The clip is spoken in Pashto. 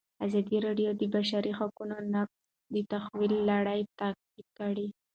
ازادي راډیو د د بشري حقونو نقض د تحول لړۍ تعقیب کړې.